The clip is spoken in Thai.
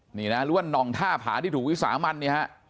หรือนองทาผลที่ถูกวิสามารณ